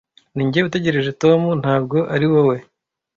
Ninjye utegereje Tom, ntabwo ari wowe